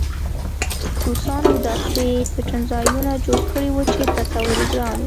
روسانو داسې پټنځایونه جوړ کړي وو چې تصور یې ګران و